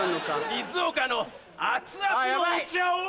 静岡の熱々のお茶を。